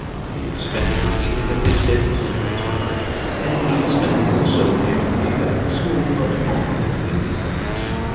He is spending the evening of his days in retirement; and he is spending also, annually, that small but honourable independence.